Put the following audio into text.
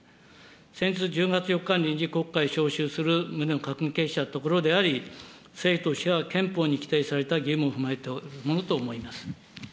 先週、１０月４日に臨時国会召集する旨を閣議決定したところであり、政府としては憲法に規定された義務を踏まえたものと思います。